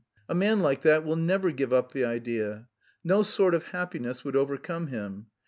A man like that will never give up the idea. No sort of happiness would overcome him.